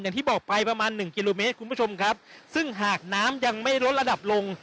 อย่างที่บอกไปประมาณหนึ่งกิโลเมตรคุณผู้ชมครับซึ่งหากน้ำยังไม่ลดระดับลง